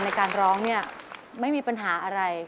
ในการร้องเนี่ยไม่มีปัญหาอะไร